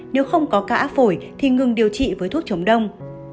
nếu không có cao áp phổi thì ngừng điều trị với thuốc chống đông